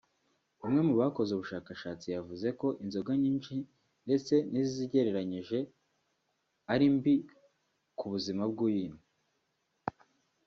umwe mu bakoze ubushakashatsi yavuze ko inzoga nyinshi ndetse n’izigereranyije ari mbi ku buzima bw’uyinywa